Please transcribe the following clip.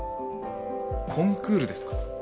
コンクールですか？